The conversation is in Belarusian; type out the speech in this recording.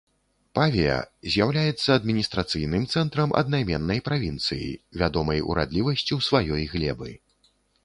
Павія з'яўляецца адміністрацыйным цэнтрам аднайменнай правінцыі, вядомай урадлівасцю сваёй глебы.